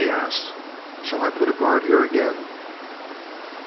he asked. "Shall I put a guard here again?"